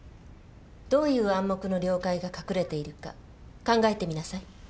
どういう「暗黙の了解」が隠れているか考えてみなさい。